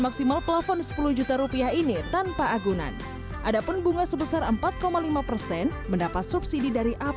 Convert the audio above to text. maksimal pelafon sepuluh juta rupiah ini tanpa agunan ada pun bunga sebesar empat lima persen mendapat subsidi